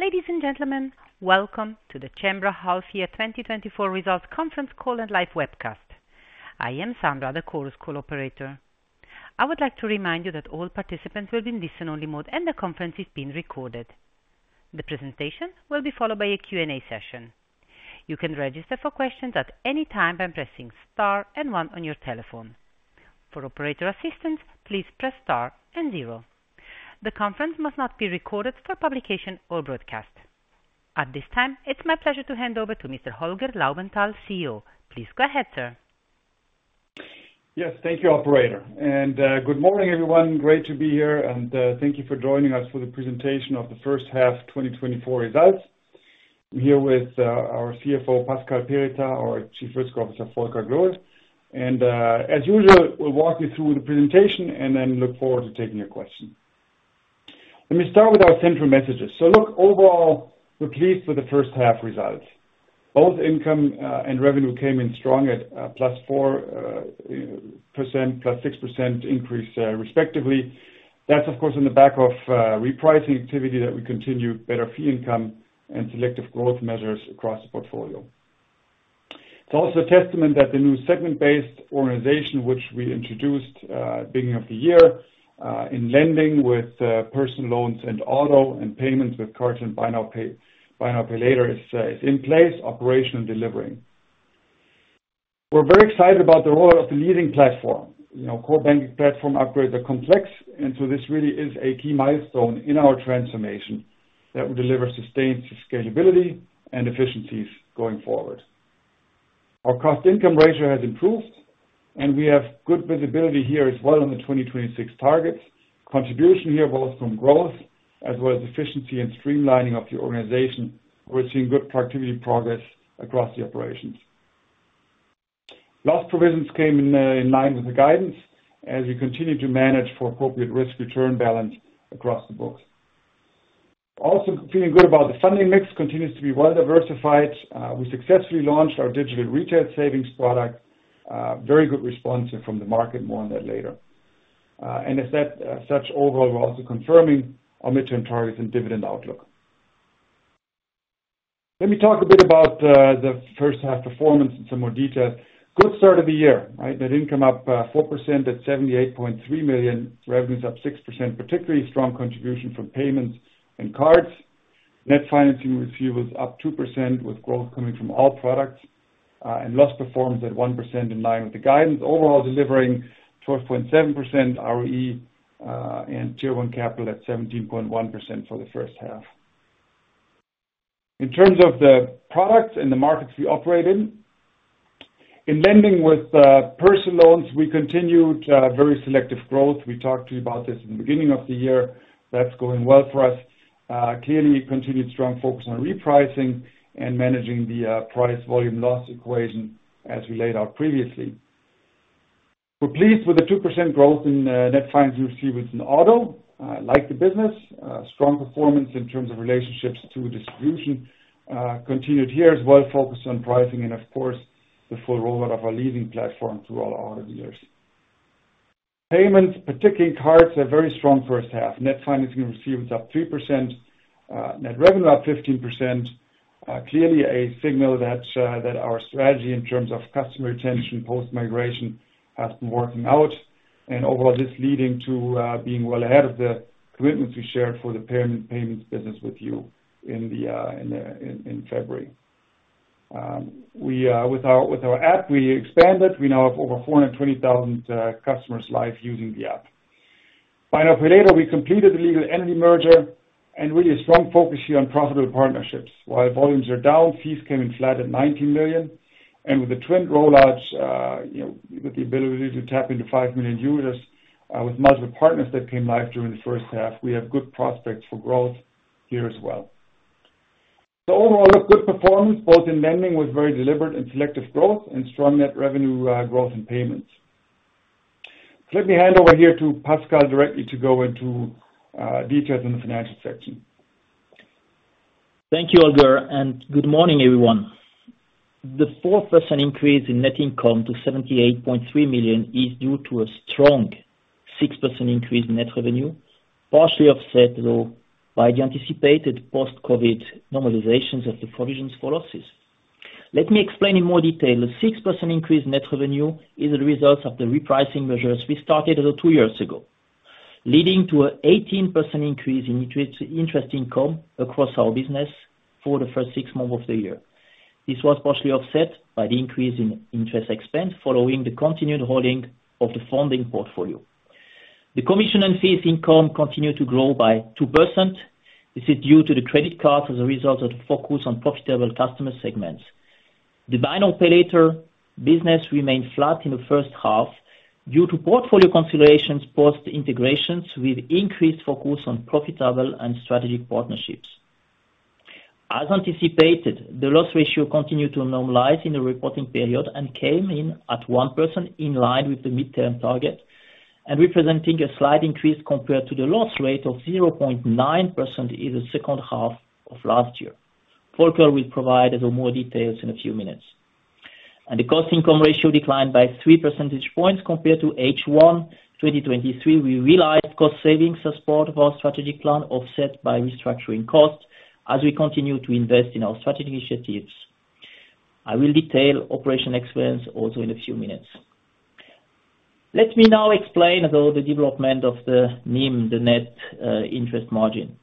Ladies and gentlemen, welcome to the Cembra Half-Year Year 2024 Results Conference Call and Live webcast. I am Sandra, the Chorus Call operator. I would like to remind you that all participants will be in listen-only mode and the conference is being recorded. The presentation will be followed by a Q&A session. You can register for questions at any time by pressing star and one on your telephone. For operator assistance, please press star and zero. The conference must not be recorded for publication or broadcast. At this time, it's my pleasure to hand over to Mr. Holger Laubenthal, CEO. Please go ahead, sir. Yes, thank you, Operator. Good morning, everyone. Great to be here. Thank you for joining us for the presentation of the first half 2024 results. I'm here with our CFO, Pascal Perritaz, our Chief Risk Officer, Volker Gloe. As usual, we'll walk you through the presentation and then look forward to taking your questions. Let me start with our central messages. Look, overall, we're pleased with the first half results. Both income and revenue came in strong at +4%, +6% increase respectively. That's, of course, on the back of repricing activity that we continue, better fee income, and selective growth measures across the portfolio. It's also a testament that the new segment-based organization, which we introduced at the beginning of the year in lending with personal loans and auto and payments with cards and buy now, pay later is in place, operational, and delivering. We're very excited about the role of the leasing platform. Core banking platform upgrades are complex, and so this really is a key milestone in our transformation that will deliver sustained scalability and efficiencies going forward. Our cost income ratio has improved, and we have good visibility here as well on the 2026 targets. Contribution here was from growth as well as efficiency and streamlining of the organization. We're seeing good productivity progress across the operations. Loss provisions came in line with the guidance as we continue to manage for appropriate risk-return balance across the book. Also, feeling good about the funding mix continues to be well diversified. We successfully launched our digital retail savings product. Very good response from the market, more on that later. And as such overall, we're also confirming our midterm targets and dividend outlook. Let me talk a bit about the first half performance in some more detail. Good start of the year. Net income up 4% at 78.3 million. Revenues up 6%, particularly strong contribution from payments and cards. Net financing receivables up 2% with growth coming from all products. Loss performs at 1% in line with the guidance. Overall delivering 12.7% ROE and tier one capital at 17.1% for the first half. In terms of the products and the markets we operate in, in lending with personal loans, we continued very selective growth. We talked to you about this in the beginning of the year. That's going well for us. Clearly, continued strong focus on repricing and managing the price-volume loss equation as we laid out previously. We're pleased with the 2% growth in net financing receivables in auto. I like the business. Strong performance in terms of relationships to distribution continued here as well. Focus on pricing and, of course, the full rollout of our leasing platform throughout all of the years. Payments, particularly in cards, a very strong first half. Net financing receivables up 3%. Net revenue up 15%. Clearly, a signal that our strategy in terms of customer retention post-migration has been working out. And overall, this is leading to being well ahead of the commitments we shared for the payments business with you in February. With our app, we expanded. We now have over 420,000 customers live using the app. Buy Now, Pay Later, we completed the legal entity merger and really a strong focus here on profitable partnerships. While volumes are down, fees came in flat at 19 million. With the TWINT rollout, with the ability to tap into five million users with multiple partners that came live during the first half, we have good prospects for growth here as well. So overall, look, good performance both in lending with very deliberate and selective growth and strong net revenue growth and payments. Let me hand over here to Pascal directly to go into details in the financial section. Thank you, Holger, and good morning, everyone. The 4% increase in net income to 78.3 million is due to a strong 6% increase in net revenue, partially offset though by the anticipated post-COVID normalizations of the provisions for losses. Let me explain in more detail. The 6% increase in net revenue is a result of the repricing measures we started two years ago, leading to an 18% increase in interest income across our business for the first six months of the year. This was partially offset by the increase in interest expense following the continued holding of the funding portfolio. The commission and fees income continued to grow by 2%. This is due to the credit cards as a result of the focus on profitable customer segments. The Buy Now Pay Later business remained flat in the first half due to portfolio considerations post-integrations with increased focus on profitable and strategic partnerships. As anticipated, the loss ratio continued to normalize in the reporting period and came in at 1% in line with the midterm target and representing a slight increase compared to the loss rate of 0.9% in the second half of last year. Volker will provide more details in a few minutes. The cost income ratio declined by 3 percentage points compared to H1 2023. We realized cost savings as part of our strategic plan offset by restructuring costs as we continue to invest in our strategic initiatives. I will detail operational excellence also in a few minutes. Let me now explain the development of the NIM, the net interest margin.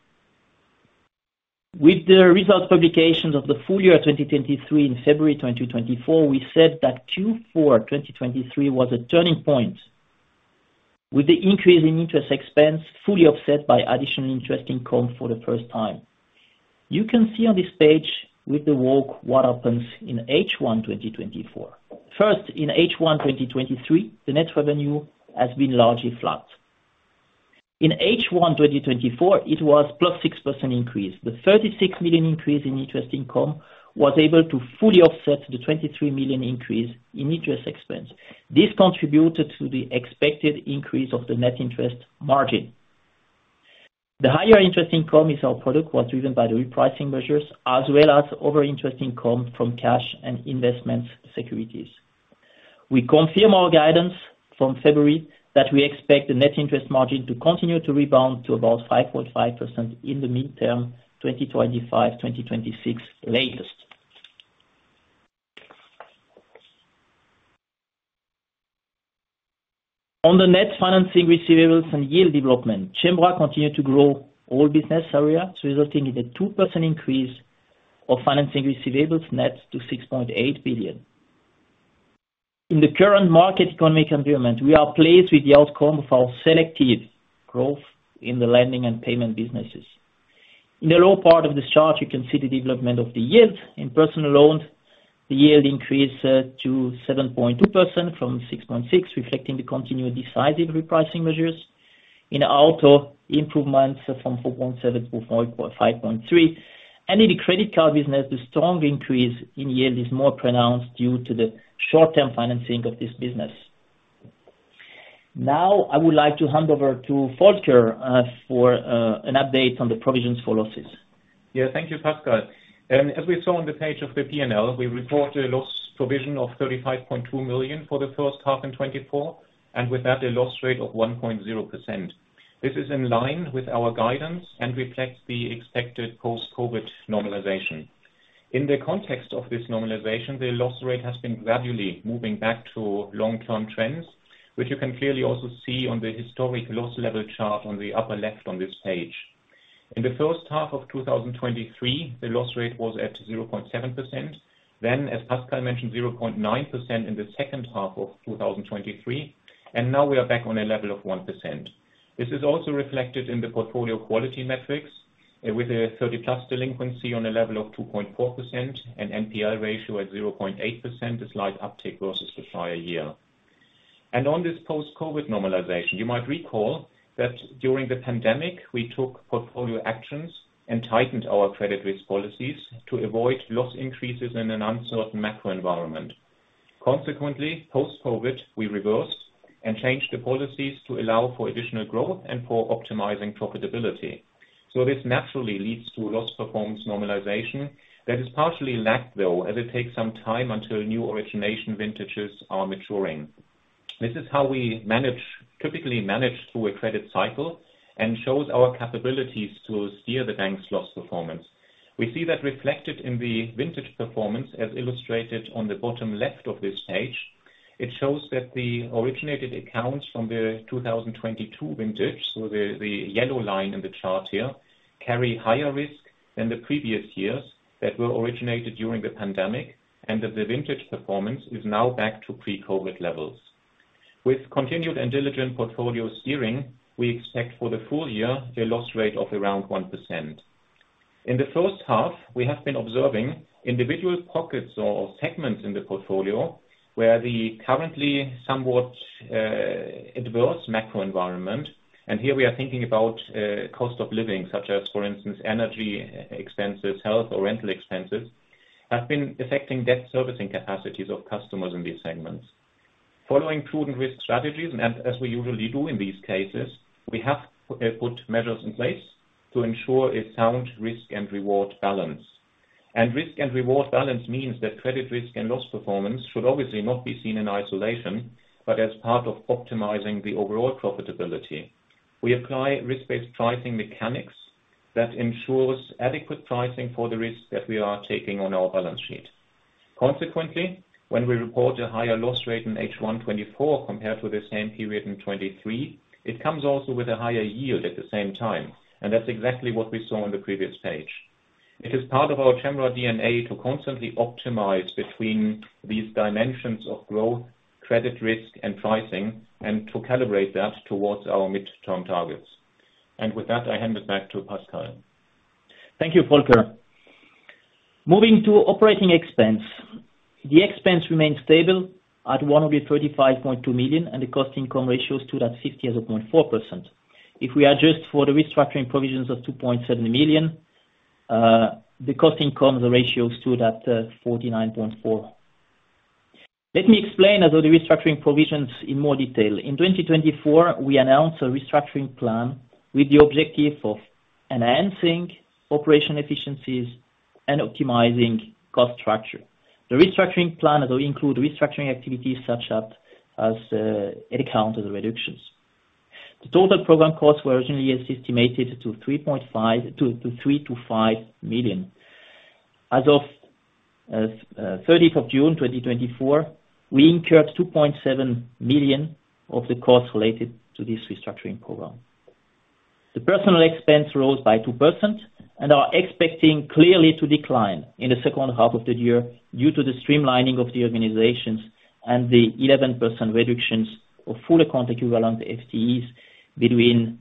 With the results publication of the full year 2023 in February 2024, we said that Q4 2023 was a turning point with the increase in interest expense fully offset by additional interest income for the first time. You can see on this page with the walk what happens in H1 2024. First, in H1 2023, the net revenue has been largely flat. In H1 2024, it was plus 6% increase. The 36 million increase in interest income was able to fully offset the 23 million increase in interest expense. This contributed to the expected increase of the net interest margin. The higher interest income is our product was driven by the repricing measures as well as other interest income from cash and investment securities. We confirm our guidance from February that we expect the net interest margin to continue to rebound to about 5.5% in the midterm 2025-2026 latest. On the net financing receivables and yield development, Cembra continued to grow all business area, resulting in a 2% increase of financing receivables net to 6.8 billion. In the current market economic environment, we are pleased with the outcome of our selective growth in the lending and payment businesses. In the lower part of this chart, you can see the development of the yield in personal loans, the yield increased to 7.2% from 6.6%, reflecting the continued decisive repricing measures. In auto, improvements from 4.7%-4.5%. And in the credit card business, the strong increase in yield is more pronounced due to the short-term financing of this business. Now, I would like to hand over to Volker for an update on the provisions for losses. Yeah, thank you, Pascal. As we saw on the page of the P&L, we report a loss provision of 35.2 million for the first half in 2024, and with that, a loss rate of 1.0%. This is in line with our guidance and reflects the expected post-COVID normalization. In the context of this normalization, the loss rate has been gradually moving back to long-term trends, which you can clearly also see on the historic loss level chart on the upper left on this page. In the first half of 2023, the loss rate was at 0.7%. Then, as Pascal mentioned, 0.9% in the second half of 2023, and now we are back on a level of 1%. This is also reflected in the portfolio quality metrics with a 30-plus delinquency on a level of 2.4% and NPL ratio at 0.8%, a slight uptick versus the prior year. On this post-COVID normalization, you might recall that during the pandemic, we took portfolio actions and tightened our credit risk policies to avoid loss increases in an uncertain macro environment. Consequently, post-COVID, we reversed and changed the policies to allow for additional growth and for optimizing profitability. This naturally leads to loss performance normalization that is partially lagged, though, as it takes some time until new origination vintages are maturing. This is how we typically manage through a credit cycle and shows our capabilities to steer the bank's loss performance. We see that reflected in the vintage performance as illustrated on the bottom left of this page. It shows that the originated accounts from the 2022 vintage, so the yellow line in the chart here, carry higher risk than the previous years that were originated during the pandemic, and that the vintage performance is now back to pre-COVID levels. With continued and diligent portfolio steering, we expect for the full year a loss rate of around 1%. In the first half, we have been observing individual pockets or segments in the portfolio where the currently somewhat adverse macro environment, and here we are thinking about cost of living, such as, for instance, energy expenses, health, or rental expenses, have been affecting debt servicing capacities of customers in these segments. Following prudent risk strategies, and as we usually do in these cases, we have put measures in place to ensure a sound risk and reward balance. Risk and reward balance means that credit risk and loss performance should obviously not be seen in isolation, but as part of optimizing the overall profitability. We apply risk-based pricing mechanics that ensures adequate pricing for the risk that we are taking on our balance sheet. Consequently, when we report a higher loss rate in H1 2024 compared to the same period in 2023, it comes also with a higher yield at the same time, and that's exactly what we saw on the previous page. It is part of our Cembra DNA to constantly optimize between these dimensions of growth, credit risk, and pricing, and to calibrate that towards our midterm targets. With that, I hand it back to Pascal. Thank you, Volker. Moving to operating expense, the expense remains stable at 135.2 million, and the cost income ratio is uncertain. If we adjust for the restructuring provisions of 2.7 million, the cost income ratio is uncertain. Let me explain the restructuring provisions in more detail. In 2024, we announced a restructuring plan with the objective of enhancing operational efficiencies and optimizing cost structure. The restructuring plan, as we include restructuring activities such as headcount and reductions. The total program costs were originally estimated to 3 million-5 million. As of 30th of June 2024, we incurred 2.7 million of the costs related to this restructuring program. The personnel expenses rose by 2% and are expecting clearly to decline in the second half of the year due to the streamlining of the organization and the 11% reductions of full-time equivalent FTEs between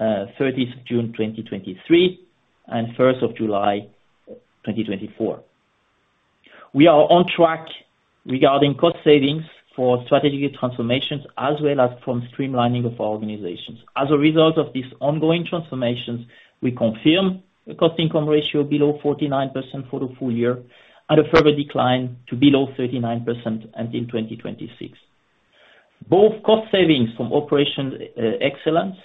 30th of June 2023 and 1st of July 2024. We are on track regarding cost savings for strategic transformations as well as from streamlining of our organizations. As a result of these ongoing transformations, we confirm a cost income ratio below 49% for the full year and a further decline to below 39% until 2026. Both cost savings from operational excellence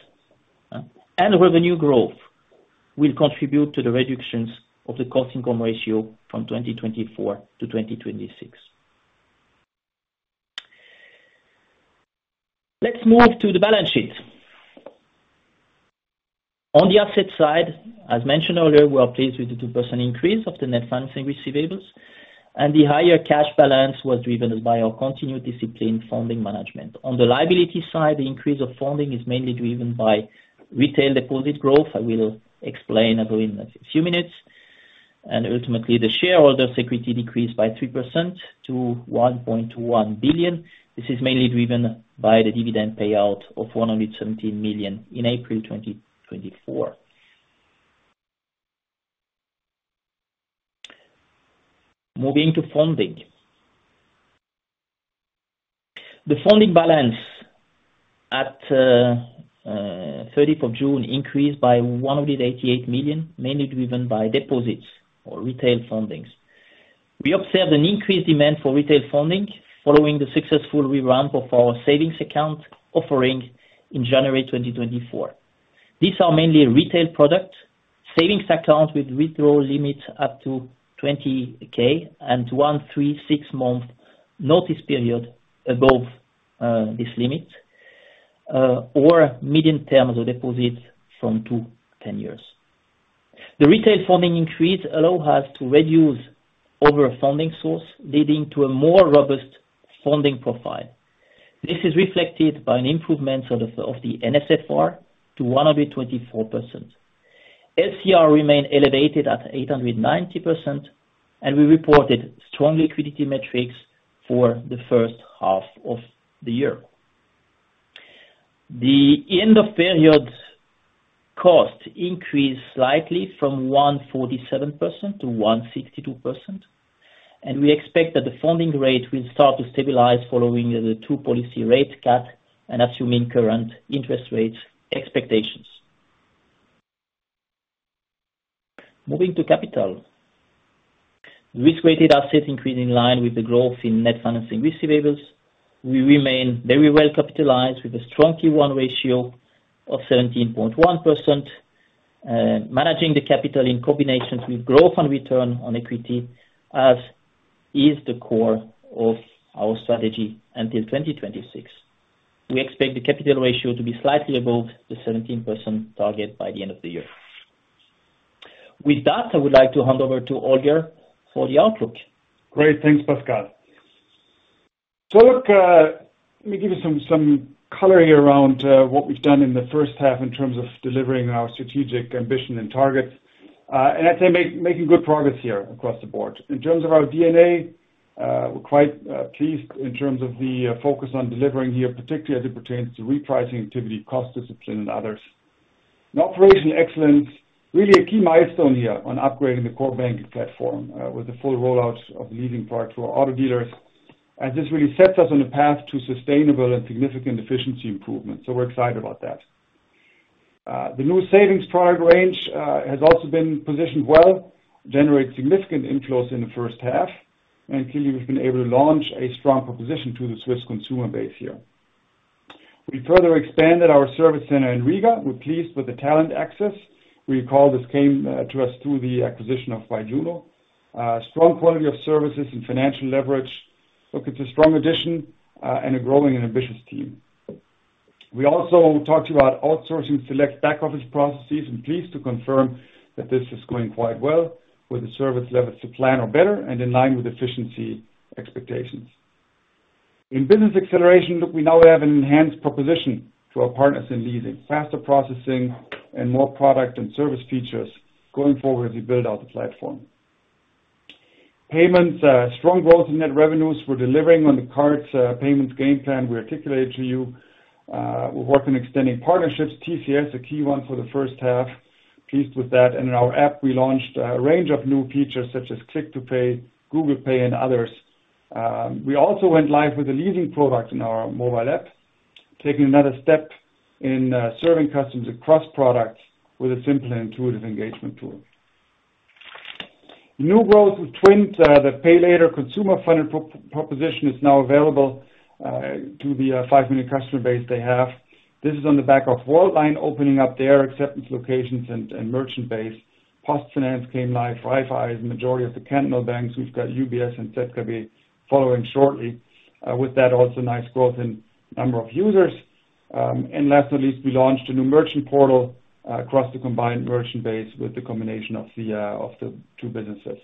and revenue growth will contribute to the reductions of the cost income ratio from 2024 to 2026. Let's move to the balance sheet. On the asset side, as mentioned earlier, we are pleased with the 2% increase of the net financing receivables, and the higher cash balance was driven by our continued disciplined funding management. On the liability side, the increase of funding is mainly driven by retail deposit growth. I will explain over a few minutes. Ultimately, the shareholders' equity decreased by 3% to 1.1 billion. This is mainly driven by the dividend payout of 117 million in April 2024. Moving to funding. The funding balance at 30th of June increased by 188 million, mainly driven by deposits, or retail funding. We observed an increased demand for retail funding following the successful re-ramp of our savings account offering in January 2024. These are mainly retail products, savings accounts with withdrawal limits up to 20,000 and one-, three-, six-month notice period above this limit or medium-term deposits from 2 to 10 years. The retail funding increase allowed us to reduce over funding source, leading to a more robust funding profile. This is reflected by an improvement of the NSFR to 124%. LCR remained elevated at 890%, and we reported strong liquidity metrics for the first half of the year. The end-of-period cost increased slightly from 147% to 162%, and we expect that the funding rate will start to stabilize following the two policy rate cuts and assuming current interest rate expectations. Moving to capital. The risk-weighted asset increase in line with the growth in net financing receivables. We remain very well capitalized with a strong Q1 ratio of 17.1%, managing the capital in combination with growth and return on equity as is the core of our strategy until 2026. We expect the capital ratio to be slightly above the 17% target by the end of the year. With that, I would like to hand over to Holger for the outlook. Great. Thanks, Pascal. So look, let me give you some color here around what we've done in the first half in terms of delivering our strategic ambition and targets. I'd say making good progress here across the board. In terms of our DNA, we're quite pleased in terms of the focus on delivering here, particularly as it pertains to repricing activity, cost discipline, and others. Operational excellence, really a key milestone here on upgrading the core banking platform with the full rollout of the leasing product for auto dealers. This really sets us on a path to sustainable and significant efficiency improvements. We're excited about that. The new savings product range has also been positioned well, generating significant inflows in the first half. Clearly, we've been able to launch a strong proposition to the Swiss consumer base here. We further expanded our service center in Riga. We're pleased with the talent access. We recall this came to us through the acquisition of Byjuno. Strong quality of services and financial leverage. Look, it's a strong addition and a growing and ambitious team. We also talked to you about outsourcing select back-office processes and pleased to confirm that this is going quite well with the service level to plan or better and in line with efficiency expectations. In business acceleration, look, we now have an enhanced proposition to our partners in leasing, faster processing, and more product and service features going forward as we build out the platform. Payments, strong growth in net revenues. We're delivering on the card payments game plan we articulated to you. We're working on extending partnerships. TCS, a key one for the first half. Pleased with that. In our app, we launched a range of new features such as Click to Pay, Google Pay, and others. We also went live with a leasing product in our mobile app, taking another step in serving customers across products with a simple and intuitive engagement tool. New growth with TWINT, the PayLater consumer-funded proposition is now available to the 5 million customer base they have. This is on the back of Worldline, opening up their acceptance locations and merchant base. PostFinance came live, Raiffeisen, majority of the cantonal banks. We've got UBS and ZKB following shortly. With that, also nice growth in number of users. Last but not least, we launched a new merchant portal across the combined merchant base with the combination of the two businesses.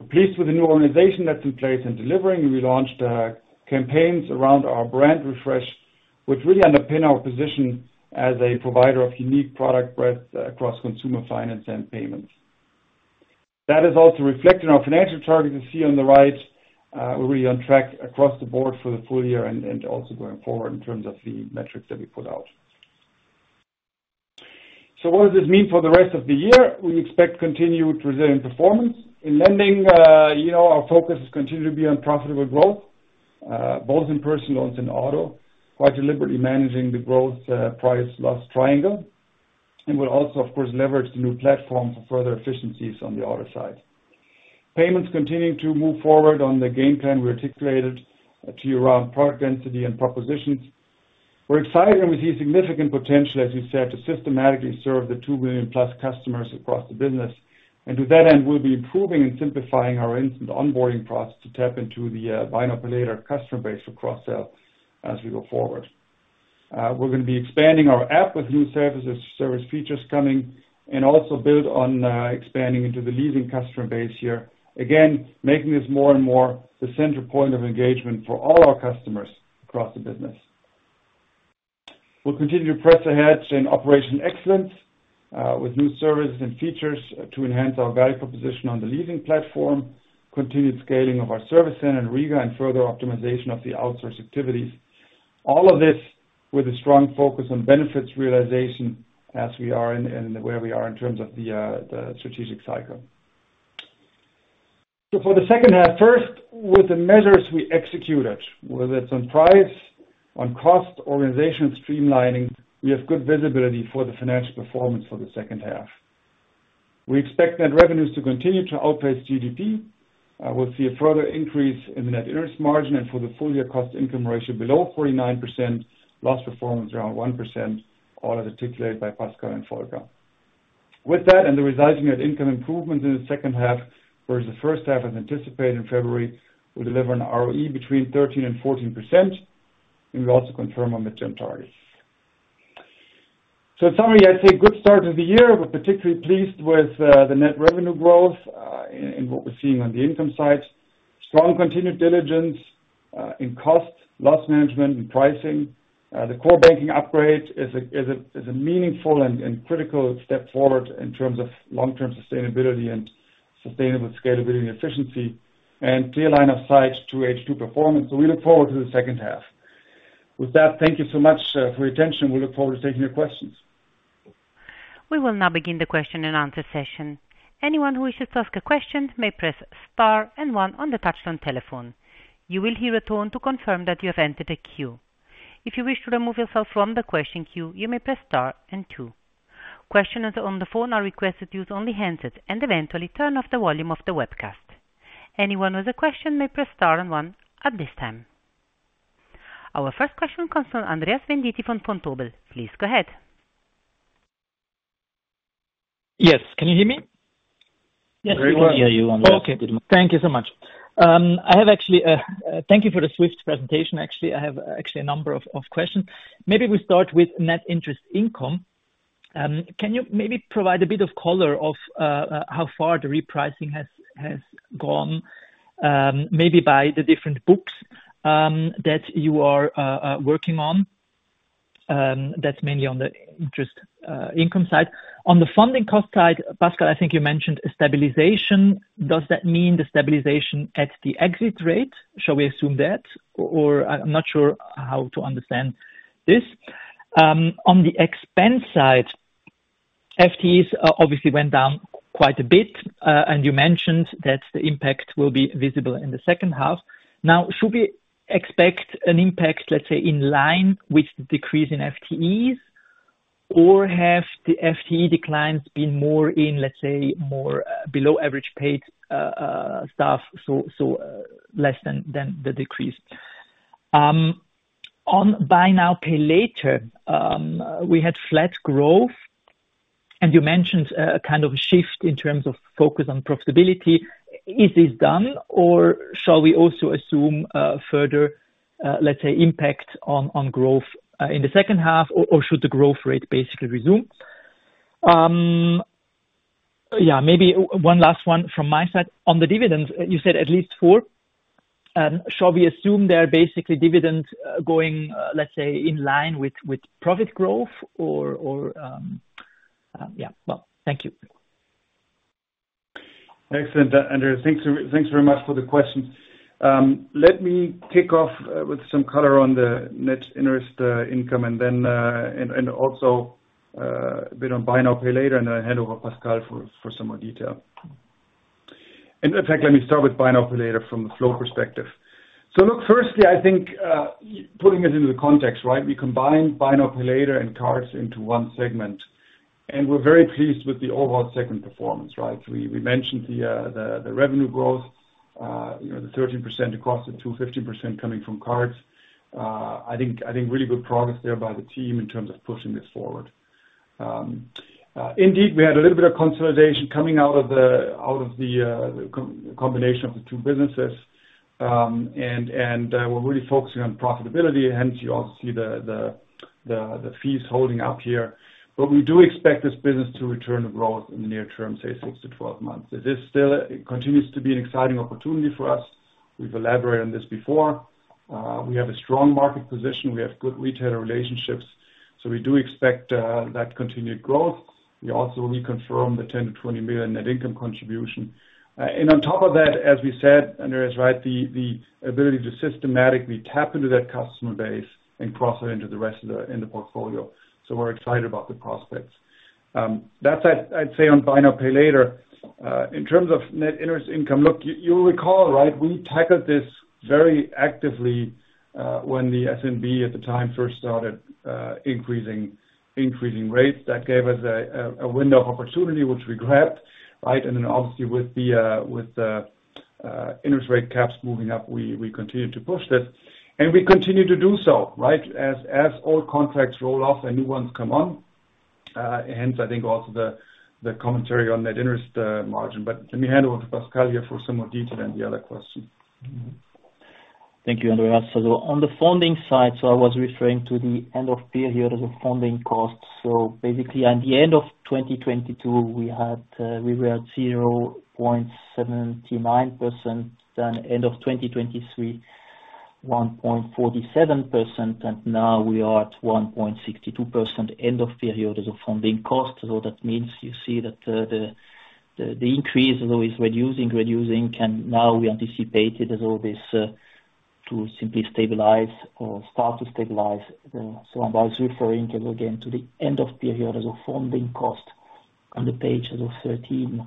We're pleased with the new organization that's in place and delivering. We launched campaigns around our brand refresh, which really underpins our position as a provider of unique product breadth across consumer finance and payments. That is also reflected in our financial targets here on the right. We're really on track across the board for the full year and also going forward in terms of the metrics that we put out. So what does this mean for the rest of the year? We expect continued resilient performance. In lending, our focus is continued to be on profitable growth, both in personal loans and auto, quite deliberately managing the growth price loss triangle. And we'll also, of course, leverage the new platform for further efficiencies on the auto side. Payments continuing to move forward on the game plan we articulated to you around product density and propositions. We're excited when we see significant potential, as we said, to systematically serve the 2 million plus customers across the business. To that end, we'll be improving and simplifying our instant onboarding process to tap into the Vontobel customer base for cross-sale as we go forward. We're going to be expanding our app with new services, service features coming, and also build on expanding into the leasing customer base here. Again, making this more and more the center point of engagement for all our customers across the business. We'll continue to press ahead in operational excellence with new services and features to enhance our value proposition on the leasing platform, continued scaling of our service center in Riga, and further optimization of the outsource activities. All of this with a strong focus on benefits realization as we are and where we are in terms of the strategic cycle. So for the second half, first, with the measures we executed, whether it's on price, on cost, organization streamlining, we have good visibility for the financial performance for the second half. We expect net revenues to continue to outpace GDP. We'll see a further increase in the net interest margin and for the full year cost income ratio below 49%, loss performance around 1%, all as articulated by Pascal and Volker. With that and the resulting net income improvements in the second half versus the first half, as anticipated in February, we'll deliver an ROE between 13%-14%. And we also confirm our midterm targets. So in summary, I'd say good start of the year. We're particularly pleased with the net revenue growth and what we're seeing on the income side. Strong continued diligence in cost, loss management, and pricing. The core banking upgrade is a meaningful and critical step forward in terms of long-term sustainability and sustainable scalability and efficiency, and clear line of sight to H2 performance. So we look forward to the second half. With that, thank you so much for your attention. We look forward to taking your questions. We will now begin the question and answer session. Anyone who wishes to ask a question may press star and 1 on the touch-tone telephone. You will hear a tone to confirm that you have entered a queue. If you wish to remove yourself from the question queue, you may press star and 2. Questioners on the phone are requested to use only handsets and eventually turn off the volume of the webcast. Anyone with a question may press star and 1 at this time. Our first question comes from Andreas Venditti from Vontobel. Please go ahead. Yes. Can you hear me? Yes, we can hear you on the mic. Okay. Thank you so much. I have actually a thank you for the swift presentation. Actually, I have actually a number of questions. Maybe we start with net interest income. Can you maybe provide a bit of color of how far the repricing has gone, maybe by the different books that you are working on? That's mainly on the interest income side. On the funding cost side, Pascal, I think you mentioned stabilization. Does that mean the stabilization at the exit rate? Shall we assume that? Or I'm not sure how to understand this. On the expense side, FTEs obviously went down quite a bit. And you mentioned that the impact will be visible in the second half. Now, should we expect an impact, let's say, in line with the decrease in FTEs, or have the FTE declines been more in, let's say, more below-average-paid staff, so less than the decrease? On Buy Now Pay Later, we had flat growth. You mentioned a kind of a shift in terms of focus on profitability. Is this done, or shall we also assume further, let's say, impact on growth in the second half, or should the growth rate basically resume? Yeah, maybe one last one from my side. On the dividends, you said at least four. Shall we assume they're basically dividends going, let's say, in line with profit growth, or? Yeah. Well, thank you. Excellent, Andreas. Thanks very much for the questions. Let me kick off with some color on the net interest income and also a bit on Buy Now Pay Later, and then I'll hand over Pascal for some more detail. In fact, let me start with Buy Now Pay Later from the flow perspective. Look, firstly, I think putting this into the context, right? We combined Buy Now Pay Later and cards into one segment. We're very pleased with the overall segment performance, right? We mentioned the revenue growth, the 13% across the two, 15% coming from cards. I think really good progress there by the team in terms of pushing this forward. Indeed, we had a little bit of consolidation coming out of the combination of the two businesses. We're really focusing on profitability. Hence, you also see the fees holding up here. But we do expect this business to return to growth in the near term, say, 6-12 months. It still continues to be an exciting opportunity for us. We've elaborated on this before. We have a strong market position. We have good retailer relationships. So we do expect that continued growth. We also reconfirmed the 10 million-20 million net income contribution. And on top of that, as we said, Andreas, right, the ability to systematically tap into that customer base and cross it into the rest of the portfolio. So we're excited about the prospects. That's it, I'd say, on Buy Now Pay Later. In terms of net interest income, look, you'll recall, right, we tackled this very actively when the SNB at the time first started increasing rates. That gave us a window of opportunity, which we grabbed, right? And then obviously, with the interest rate caps moving up, we continued to push this. We continue to do so, right, as old contracts roll off and new ones come on. Hence, I think also the commentary on net interest margin. But let me hand over to Pascal here for some more detail and the other question. Thank you, Andreas. On the funding side, I was referring to the end-of-period as a funding cost. So basically, at the end of 2022, we were at 0.79%. Then end of 2023, 1.47%. And now we are at 1.62% end-of-period as a funding cost. So that means you see that the increase is always reducing, reducing. And now we anticipate it as always to simply stabilize or start to stabilize. So I was referring again to the end-of-period as a funding cost on the page as of 13.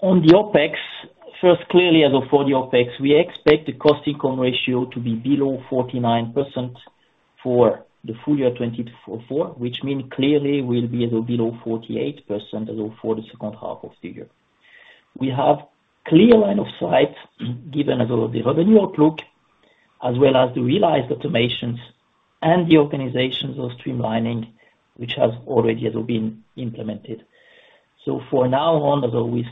On the OpEx, first, clearly, as of for the OpEx, we expect the cost-income ratio to be below 49% for the full year 2024, which means clearly we'll be below 48% for the second half of the year. We have clear line of sight given the revenue outlook as well as the realized automations and the organizational streamlining, which has already been implemented. So for now, we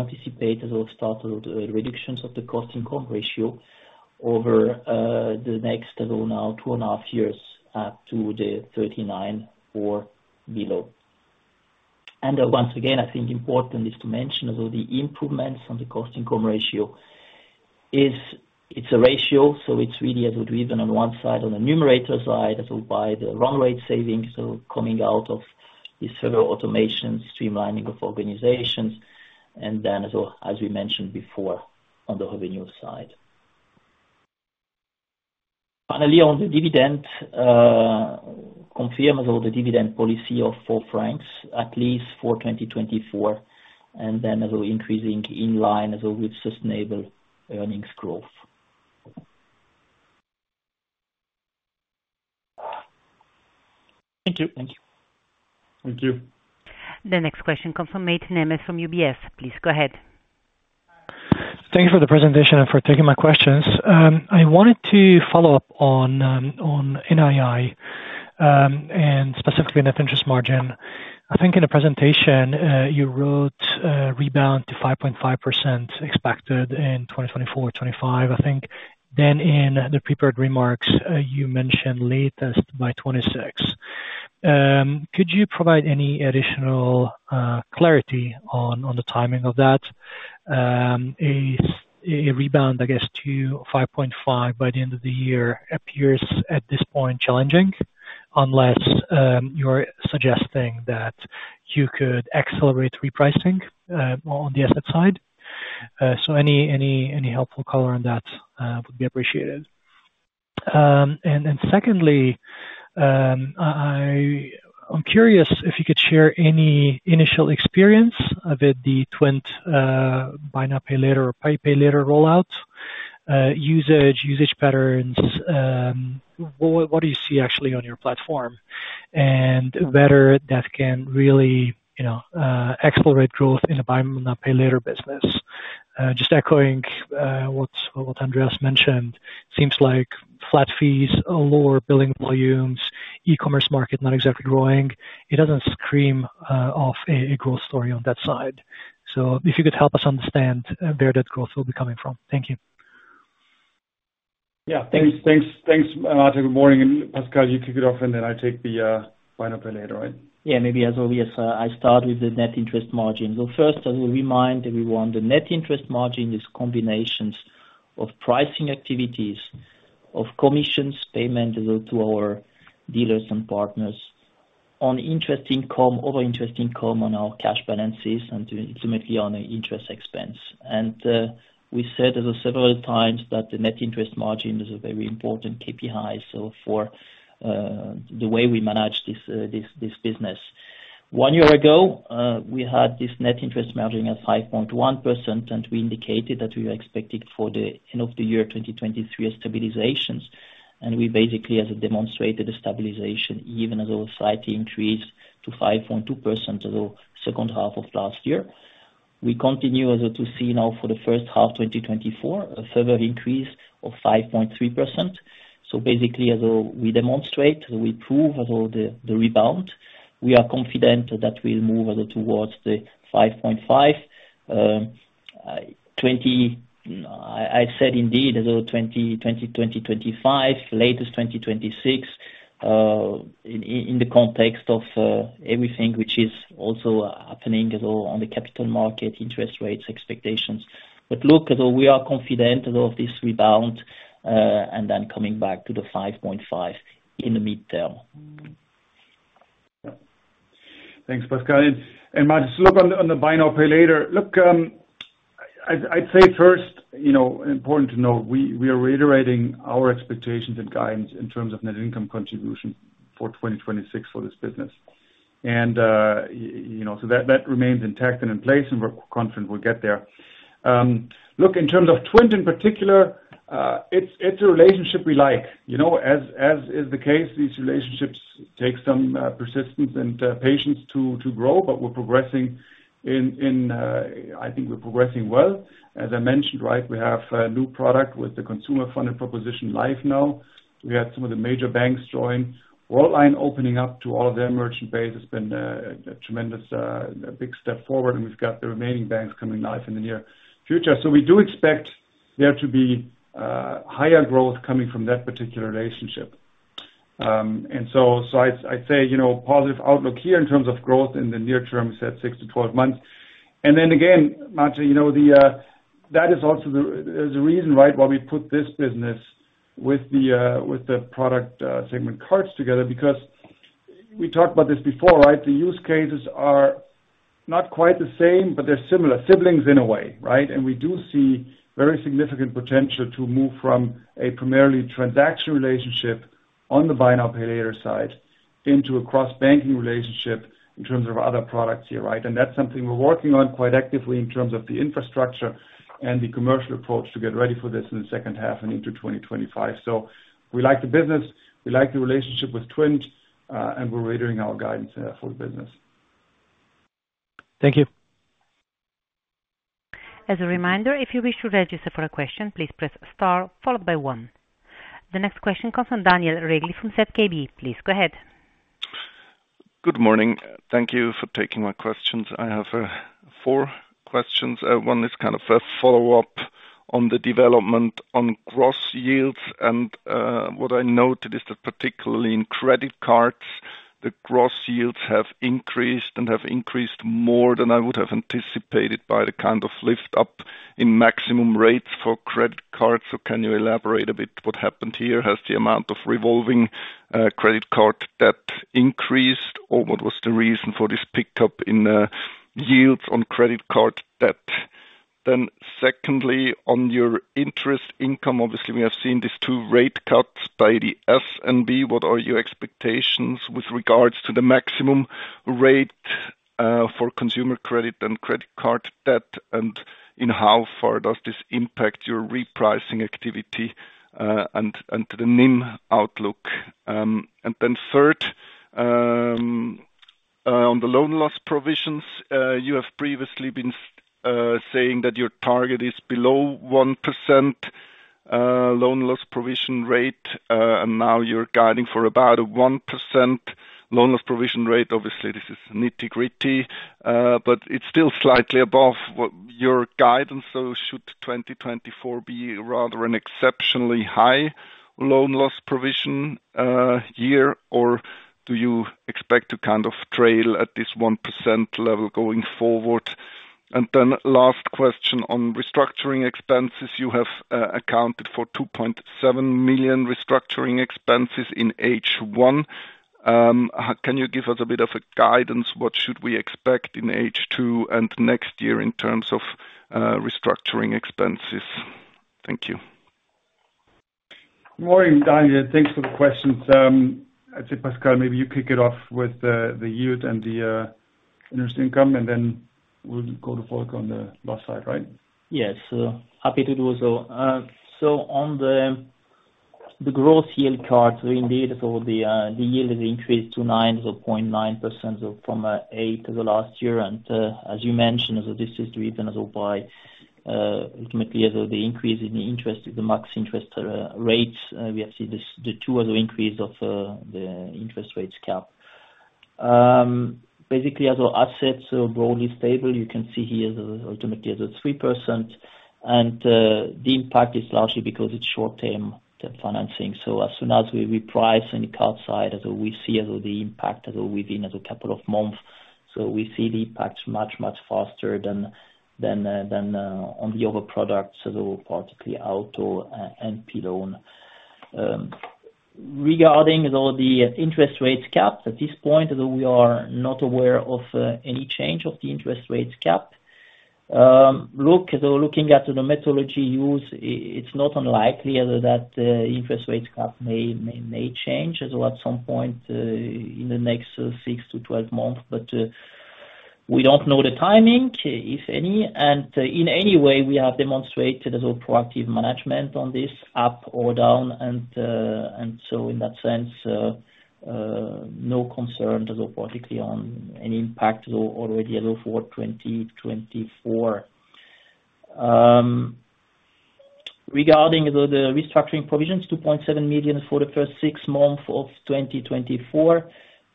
anticipate to start reductions of the cost-income ratio over the next 2.5 years to 39% or below. And once again, I think important is to mention the improvements on the cost-income ratio. It's a ratio, so it's really driven on one side on the numerator side by the run rate savings coming out of this further automation streamlining of organizations. And then, as we mentioned before, on the revenue side. Finally, on the dividend, confirm the dividend policy of 4 francs at least for 2024. And then increasing in line with sustainable earnings growth. Thank you. Thank you. Thank you. The next question comes from Mate Nemes from UBS. Please go ahead. Thank you for the presentation and for taking my questions. I wanted to follow up on NII and specifically net interest margin. I think in the presentation, you wrote rebound to 5.5% expected in 2024, 2025. I think then in the prepared remarks, you mentioned latest by 2026. Could you provide any additional clarity on the timing of that? A rebound, I guess, to 5.5% by the end of the year appears at this point challenging unless you're suggesting that you could accelerate repricing on the asset side. So any helpful color on that would be appreciated. And secondly, I'm curious if you could share any initial experience with the Buy Now Pay Later or Pay Later rollout, usage, usage patterns. What do you see actually on your platform? And whether that can really accelerate growth in the Buy Now Pay Later business. Just echoing what Andreas mentioned, seems like flat fees, lower billing volumes, e-commerce market not exactly growing. It doesn't scream off a growth story on that side. So if you could help us understand where that growth will be coming from? Thank you. Yeah. Thanks, Matteo. Good morning. And Pascal, you kick it off, and then I take the Buy Now Pay Later, right? Yeah. Maybe as always, I start with the net interest margin. First, as a reminder, what the net interest margin is, a combination of pricing, activities, commissions, payments to our dealers and partners, on interest income over interest income on our cash balances, and ultimately on the interest expense. We said several times that the net interest margin is a very important KPI for the way we manage this business. One year ago, we had this net interest margin at 5.1%, and we indicated that we were expecting for the end of the year 2023 a stabilization. We basically have demonstrated a stabilization even as our NIM increased to 5.2% in the second half of last year. We continue to see now for the first half 2024, a further increase of 5.3%. Basically, as we demonstrate, we prove the rebound. We are confident that we'll move towards the 5.5. I said indeed 2025, latest 2026, in the context of everything which is also happening on the capital market, interest rates, expectations. But look, we are confident of this rebound and then coming back to the 5.5 in the midterm. Thanks, Pascal. And Matteo, just look on the Buy Now Pay Later. Look, I'd say first, important to note, we are reiterating our expectations and guidance in terms of net income contribution for 2026 for this business. And so that remains intact and in place, and we're confident we'll get there. Look, in terms of TWINT in particular, it's a relationship we like. As is the case, these relationships take some persistence and patience to grow, but we're progressing. I think we're progressing well. As I mentioned, right, we have a new product with the consumer-funded proposition LiveNow. We had some of the major banks join. Worldline opening up to all of their merchant base has been a tremendous big step forward, and we've got the remaining banks coming live in the near future. So we do expect there to be higher growth coming from that particular relationship. So I'd say positive outlook here in terms of growth in the near term, we said 6-12 months. Then again, Matteo, that is also the reason why we put this business with the product segment cards together, because we talked about this before, right? The use cases are not quite the same, but they're similar siblings in a way, right? And we do see very significant potential to move from a primarily transactional relationship on the Buy Now Pay Later side into a cross-banking relationship in terms of other products here, right? And that's something we're working on quite actively in terms of the infrastructure and the commercial approach to get ready for this in the second half and into 2025. So we like the business. We like the relationship with TWINT, and we're reiterating our guidance for the business. Thank you. As a reminder, if you wish to register for a question, please press * followed by one. The next question comes from Daniel Regli from ZKB. Please go ahead. Good morning. Thank you for taking my questions. I have four questions. One is kind of a follow-up on the development on gross yields. And what I noted is that particularly in credit cards, the gross yields have increased and have increased more than I would have anticipated by the kind of lift-up in maximum rates for credit cards. So can you elaborate a bit what happened here? Has the amount of revolving credit card debt increased, or what was the reason for this pickup in yields on credit card debt? Then secondly, on your interest income, obviously, we have seen these two rate cuts by the SNB. What are your expectations with regards to the maximum rate for consumer credit and credit card debt, and in how far does this impact your repricing activity and the NIM outlook? Then third, on the loan loss provisions, you have previously been saying that your target is below 1% loan loss provision rate, and now you're guiding for about a 1% loan loss provision rate. Obviously, this is nitty-gritty, but it's still slightly above your guidance. So should 2024 be rather an exceptionally high loan loss provision year, or do you expect to kind of trail at this 1% level going forward? And then last question on restructuring expenses. You have accounted for 2.7 million restructuring expenses in H1. Can you give us a bit of guidance? What should we expect in H2 and next year in terms of restructuring expenses? Thank you. Good morning, Daniel Regli. Thanks for the questions. I'd say, Pascal, maybe you kick it off with the yield and the interest income, and then we'll go to Volker on the loss side, right? Yes. Happy to do so. So on the gross yield card, so indeed, the yield has increased to 9.9% from 8% last year. And as you mentioned, this is driven by ultimately the increase in the interest, the max interest rates. We have seen the two-year increase of the interest rate cap. Basically, as our assets are broadly stable, you can see here ultimately as a 3%. And the impact is largely because it's short-term financing. So as soon as we reprice on the card side, we see the impact within a couple of months. So we see the impact much, much faster than on the other products, particularly auto and P loan. Regarding the interest rate cap, at this point, we are not aware of any change of the interest rate cap. Looking at the methodology used, it's not unlikely that the interest rate cap may change at some point in the next 6-12 months, but we don't know the timing, if any. In any way, we have demonstrated proactive management on this up or down. So in that sense, no concerns particularly on any impact already for 2024. Regarding the restructuring provisions, 2.7 million for the first 6 months of 2024.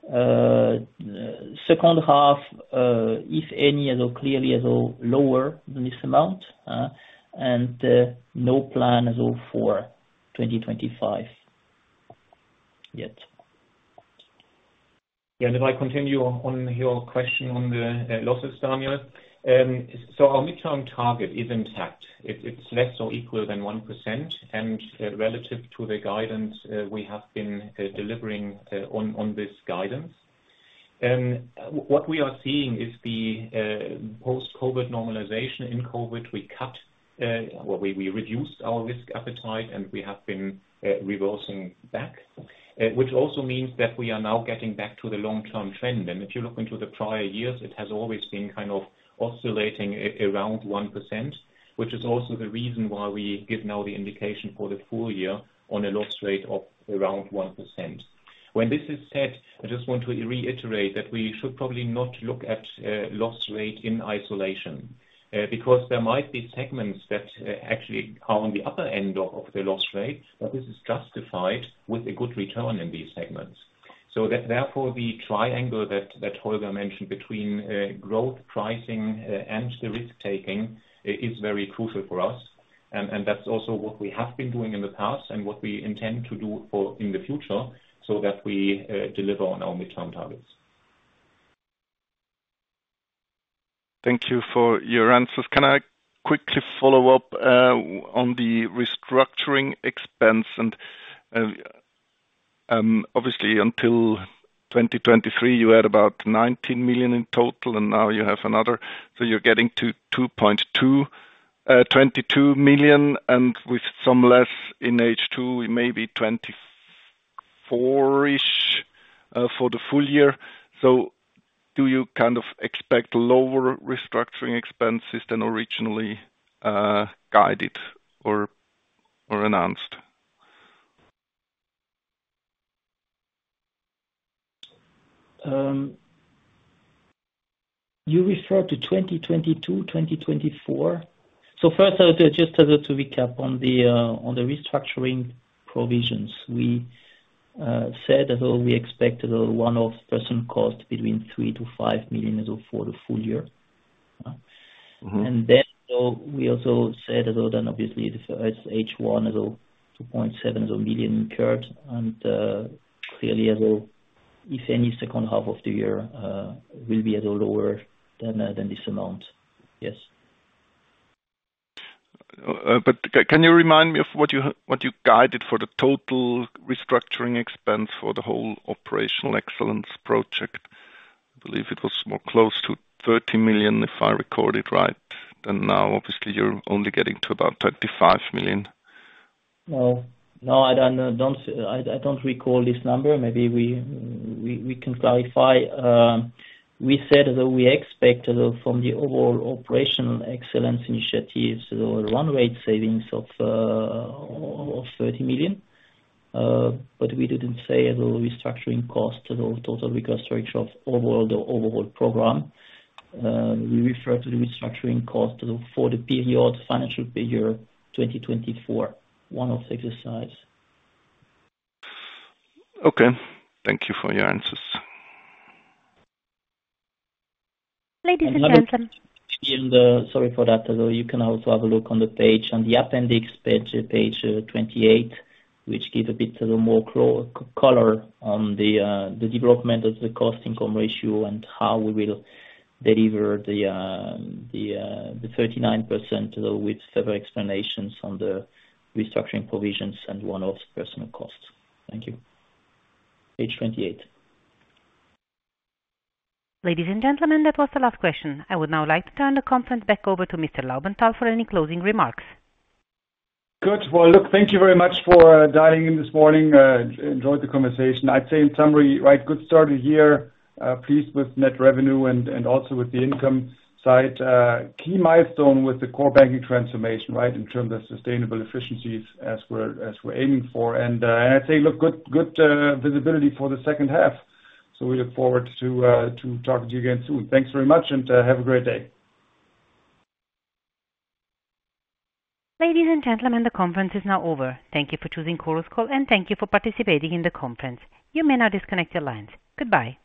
Second half, if any, clearly lower than this amount. No plan for 2025 yet. Yeah. And if I continue on your question on the losses, Daniel Regli, so our midterm target is intact. It's less or equal than 1%. And relative to the guidance, we have been delivering on this guidance. What we are seeing is the post-COVID normalization in COVID, we cut or we reduced our risk appetite, and we have been reversing back, which also means that we are now getting back to the long-term trend. And if you look into the prior years, it has always been kind of oscillating around 1%, which is also the reason why we give now the indication for the full year on a loss rate of around 1%. When this is said, I just want to reiterate that we should probably not look at loss rate in isolation because there might be segments that actually are on the upper end of the loss rate, but this is justified with a good return in these segments. So therefore, the triangle that Holger mentioned between growth pricing and the risk-taking is very crucial for us. And that's also what we have been doing in the past and what we intend to do in the future so that we deliver on our midterm targets. Thank you for your answers. Can I quickly follow up on the restructuring expense? Obviously, until 2023, you had about 19 million in total, and now you have another. So you're getting to 22.2 million, and with some less in '24, maybe 24 million-ish for the full year. Do you kind of expect lower restructuring expenses than originally guided or announced? You referred to 2022, 2024. So first, just to recap on the restructuring provisions, we said we expected one-off personnel costs between 3-5 million for the full year. And then we also said that obviously H1 is 2.7 million incurred. And clearly, if in the second half of the year will be lower than this amount, yes. Can you remind me of what you guided for the total restructuring expense for the whole operational excellence project? I believe it was more close to 30 million, if I recorded right. Now, obviously, you're only getting to about 35 million. No. No, I don't recall this number. Maybe we can clarify. We said we expected from the overall operational excellence initiatives run rate savings of 30 million. But we didn't say restructuring cost, total reconstruction of overall program. We referred to the restructuring cost for the financial figure 2024, one-off exercise. Okay. Thank you for your answers. Ladies and gentlemen. Sorry for that. You can also have a look on the page on the appendix, page 28, which gives a bit more color on the development of the cost-income ratio and how we will deliver the 39% with further explanations on the restructuring provisions and one-off personal costs. Thank you. Page 28. Ladies and gentlemen, that was the last question. I would now like to turn the conference back over to Mr. Laubenthal for any closing remarks. Good. Well, look, thank you very much for dialing in this morning. Enjoyed the conversation. I'd say in summary, right, good start of year, pleased with net revenue and also with the income side. Key milestone with the core banking transformation, right, in terms of sustainable efficiencies as we're aiming for. And I'd say, look, good visibility for the second half. So we look forward to talking to you again soon. Thanks very much, and have a great day. Ladies and gentlemen, the conference is now over. Thank you for choosing Chorus Call, and thank you for participating in the conference. You may now disconnect your lines. Goodbye.